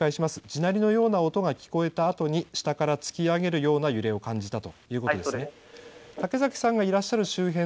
地鳴りのような音が聞こえたあとに下から突き上げるような揺れを感じました。